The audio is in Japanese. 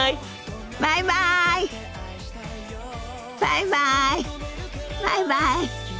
バイバイバイバイ。